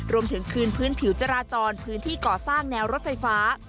รวมถึงคืนพื้นผิวจราจรพื้นที่ก่อสร้างแนวรถไฟฟ้า